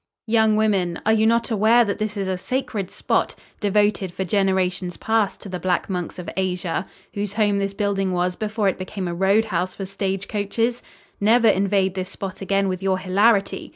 "Young women, are you not aware that this is a sacred spot, devoted for generations past to the Black Monks of Asia, whose home this building was before it became a roadhouse for stage coaches? Never invade this spot again with your hilarity.